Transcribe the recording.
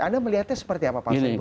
anda melihatnya seperti apa pak said